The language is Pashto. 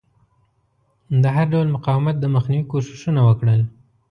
د هر ډول مقاومت د مخنیوي کوښښونه وکړل.